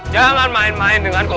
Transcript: jangan main main denganku